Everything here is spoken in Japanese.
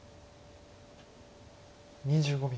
２５秒。